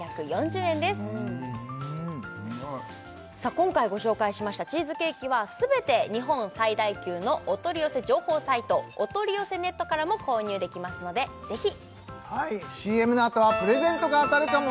今回ご紹介しましたチーズケーキは全て日本最大級のお取り寄せ情報サイトおとりよせネットからも購入できますのでぜひはいＣＭのあとはプレゼントが当たるかも？